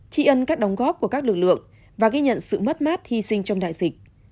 tri ân các đóng góp của các lực lượng và ghi nhận sự mất mát hy sinh trong đại dịch